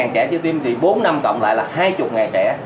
năm trẻ chưa tiêm thì bốn năm cộng lại là hai mươi trẻ